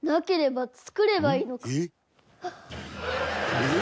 「えっ？」